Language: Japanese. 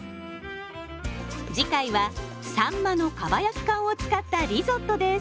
次回はさんまのかば焼き缶を使ったリゾットです。